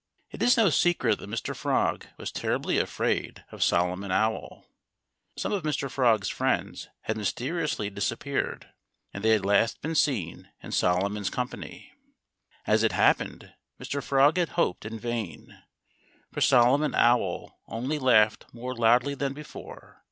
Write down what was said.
It is no secret that Mr. Frog was terribly afraid of Solomon Owl. Some of Mr. Frog's friends had mysteriously disappeared. And they had last been seen in Solomon's company. As it happened, Mr. Frog had hoped in vain. For Solomon Owl only laughed more loudly than before.